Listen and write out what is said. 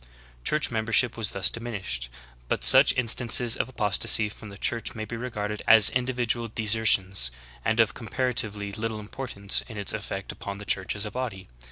Church membership was thus diminished ;* but such instances of apostasy from the Church may be regarded as individual desertions and of comparatively little importance in its effect upon the Church as a body.